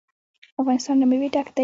افغانستان له مېوې ډک دی.